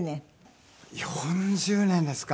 ４０年ですか。